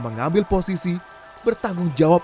mengambil posisi bertanggung jawab